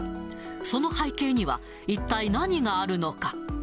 その背景には、一体何があるのか。